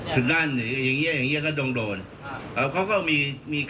ถ้ามันไปทำคำเฟสทำคำโซเชียล